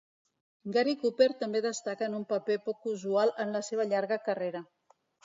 Gary Cooper també destaca en un paper poc usual en la seva llarga carrera.